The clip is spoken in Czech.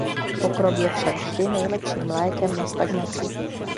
Pokrok je však vždy nejlepším lékem na stagnaci.